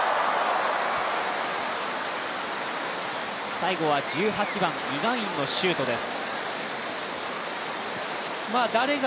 最後は１８番・イ・ガンインのシュートです。